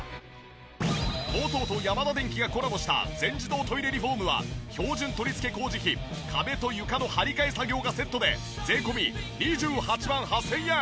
ＴＯＴＯとヤマダデンキがコラボした全自動トイレリフォームは標準取り付け工事費壁と床の張り替え作業がセットで税込２８万８０００円。